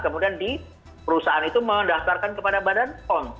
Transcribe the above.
kemudian di perusahaan itu mendaftarkan kepada badan pom